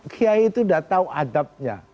kiai itu udah tau adabnya